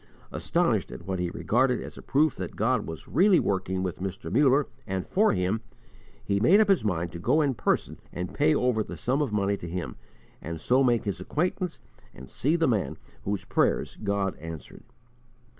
Astonished at what he regarded as a proof that God was really working with Mr. Muller and for him, he made up his mind to go in person and pay over the sum of money to him, and so make his acquaintance and see the man whose prayers God answered.